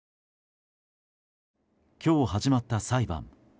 今日始まった裁判。